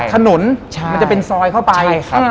ถนนมันจะเป็นซอยเข้าไป